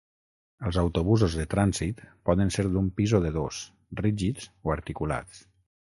Els autobusos de trànsit poden ser d'un pis o de dos, rígids o articulats.